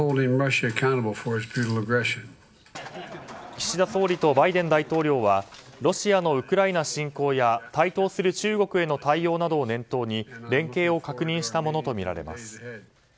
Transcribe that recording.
岸田総理とバイデン大統領はロシアのウクライナ侵攻や台頭する中国のへの対応などを念頭に連携を確認したものとみられます。